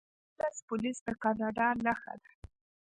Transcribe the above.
سوار پولیس د کاناډا نښه ده.